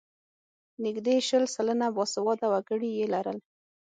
نږدې شل سلنه باسواده وګړي یې لرل.